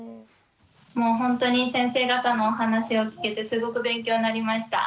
もうほんとに先生方のお話を聞けてすごく勉強になりました。